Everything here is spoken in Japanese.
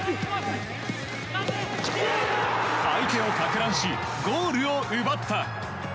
相手をかく乱し、ゴールを奪った。